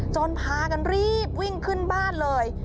พากันรีบวิ่งขึ้นบ้านเลย